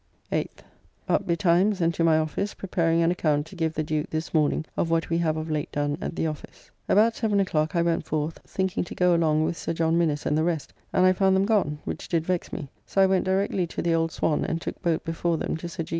8th. Up betimes and to my office preparing an account to give the Duke this morning of what we have of late done at the office. About 7 o'clock I went forth thinking to go along with Sir John Minnes and the rest, and I found them gone, which did vex me, so I went directly to the old Swan and took boat before them to Sir G.